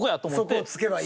そこを突けばいい。